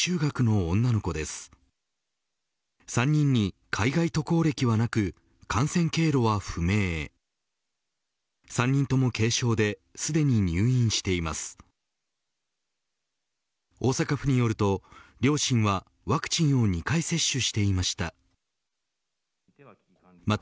大阪府によると、両親はワクチンを２回接種していました。